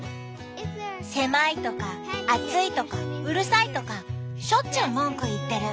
狭いとか暑いとかうるさいとかしょっちゅう文句言ってる。